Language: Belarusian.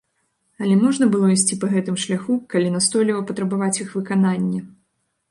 Але можна было ісці па гэтым шляху, калі настойліва патрабаваць іх выканання.